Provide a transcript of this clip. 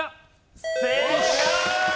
正解！